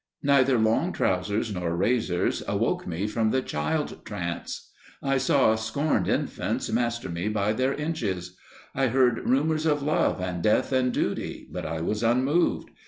Neither long trousers nor razors awoke me from the child trance; I saw scorned infants master me by their inches; I heard rumours of love and death and duty, but I was unmoved.